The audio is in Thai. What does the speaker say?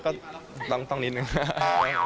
ก็ต้องนิดนึง